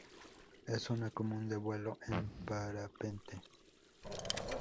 Es zona común de vuelo en parapente.